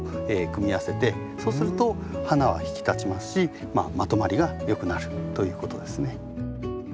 そうすると花は引き立ちますしまとまりがよくなるということですね。